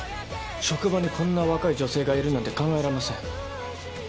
職場にこんな若い女性がいるなんて考えられません。